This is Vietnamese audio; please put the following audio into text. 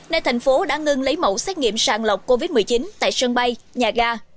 nên thành phố đã ngưng lấy mẫu xét nghiệm sàng lọc covid một mươi chín tại sân bay nhà ga